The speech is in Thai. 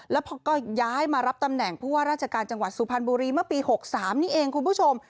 แล้วพอก็ย้ายมารับตำแหน่งผู้ว่าราชการจังหวัดสุพรรณบุรีเมื่อปี๖๓นี่เองคุณผู้ชม